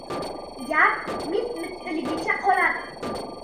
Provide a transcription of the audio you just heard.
Gap mittt-mitttligicha. qoldi.